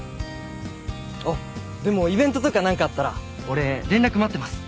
あっでもイベントとか何かあったら俺連絡待ってます。